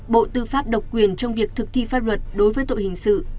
bộ tư pháp độc quyền trong việc thực thi pháp luật đối với tội hình sự